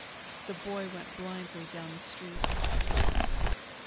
The boy went blindly down the Street.